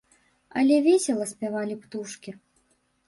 Але весела спявалі птушкі.